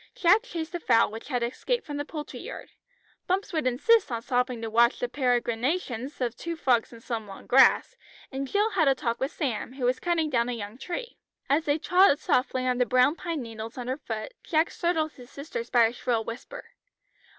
Jack chased a fowl which had escaped from the poultry yard. Bumps would insist on stopping to watch the peregrinations of two frogs in some long grass, and Jill had a talk with Sam, who was cutting down a young tree. As they trod softly on the brown pine needles underfoot Jack startled his sisters by a shrill whisper.